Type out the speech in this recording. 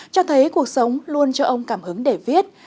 cho thấy cuộc sống luôn cho ông cảm hứng để viết